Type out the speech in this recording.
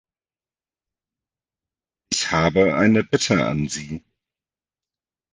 Ich habe eine Bitte an Sie.